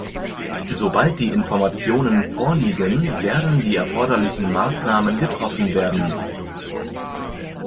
Sobald die Informationen vorliegen, werden die erforderlichen Maßnahmen getroffen werden.